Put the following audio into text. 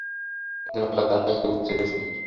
সেদিন হঠাৎ ধাক্কা খেয়ে বুঝতে পেরেছি।